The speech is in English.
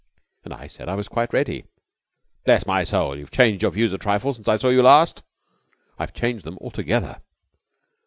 "And I said I was quite ready." "Bless my soul! You've changed your views a trifle since I saw you last." "I have changed them altogether."